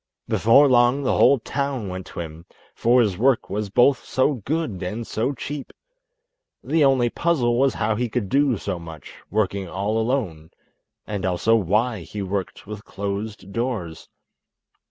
Before long the whole town went to him, for his work was both so good and so cheap. The only puzzle was how he could do so much, working all alone, and also why he worked with closed doors.